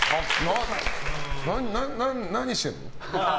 何してんの？